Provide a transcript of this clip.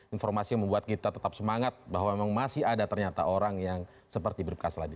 informasi yang membuat kita tetap semangat bahwa memang masih ada ternyata orang yang seperti bribka seladi